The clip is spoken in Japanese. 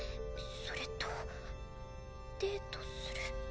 それとデートする。